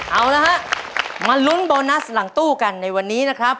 เอาละฮะมาลุ้นโบนัสหลังตู้กันในวันนี้นะครับ